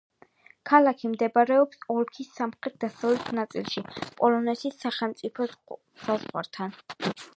ქალაქი მდებარეობს ოლქის სამხრეთ-დასავლეთ ნაწილში, პოლონეთის სახელმწიფო საზღვართან.